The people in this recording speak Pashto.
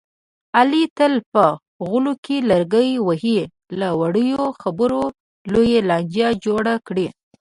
علي تل په غولو کې لرګي وهي، له وړې خبرې لویه لانجه جوړه کړي.